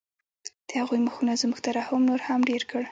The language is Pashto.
د هغوی مخونو زموږ ترحم نور هم ډېر کړ